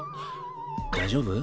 大丈夫？